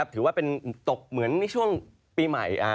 ถือว่าเป็นตกเหมือนในช่วงปีใหม่